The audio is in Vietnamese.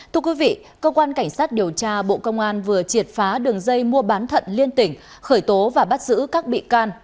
thưa quý vị cơ quan cảnh sát điều tra bộ công an vừa triệt phá đường dây mua bán thận liên tỉnh khởi tố và bắt giữ các bị can